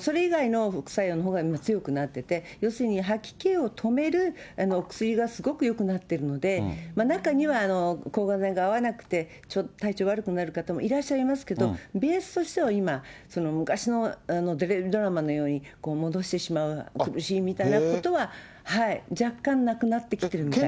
それ以外の副作用のほうが今、強くなってて、要するに吐き気を止める薬がすごくよくなってるので、中には抗がん剤が合わなくて、ちょっと体調悪くなる方もいらっしゃいますけど、ベースとしては今、昔のドラマのように、戻してしまう、苦しいみたいなことは、若干なくなってきてるみたいです。